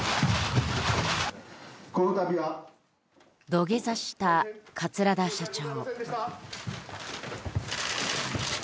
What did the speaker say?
土下座した桂田社長。